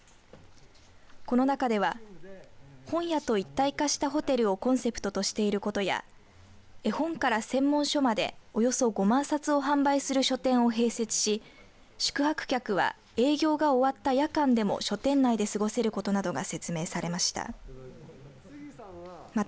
この中では本屋と一体化したホテルをコンセプトとしていることや絵本から専門書までおよそ５万冊を販売する書店を併設し宿泊客は営業が終わった夜間でも書店内で過ごせることなどが説明されました。